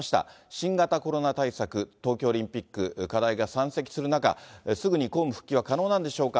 新型コロナ対策、東京オリンピック、課題が山積する中、すぐに公務復帰は可能なんでしょうか。